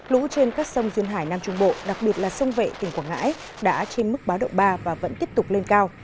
lũ trên các sông duyên hải nam trung bộ đặc biệt là sông vệ tỉnh quảng ngãi đã trên mức báo động ba và vẫn tiếp tục lên cao